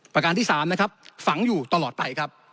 ประการที่๓นะครับฝังอยู่ตลอดไปครับ